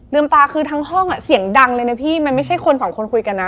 ตาคือทั้งห้องอ่ะเสียงดังเลยนะพี่มันไม่ใช่คนสองคนคุยกันนะ